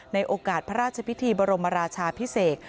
ในโอกาสพระราชพิธีบรมราชาพิเศษ